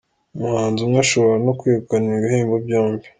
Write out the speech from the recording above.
Umuhanzi umwe ashobora no kwegukana ibi bihembo byombi.